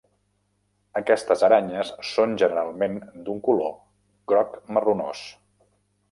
Aquestes aranyes són generalment d'un color groc-marronós.